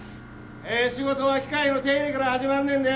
ええ仕事は機械の手入れから始まんねんで！